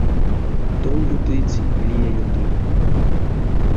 Тон ютыть, лия юты.